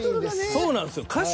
そうなんですよ。